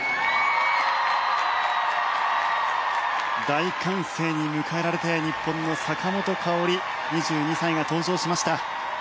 大歓声に迎えられて日本の坂本花織、２２歳が登場しました。